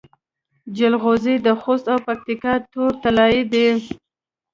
جلغوزي د خوست او پکتیا تور طلایی دي